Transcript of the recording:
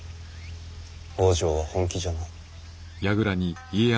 北条は本気じゃな。